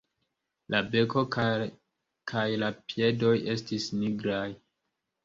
La beko kaj la piedoj estis nigraj.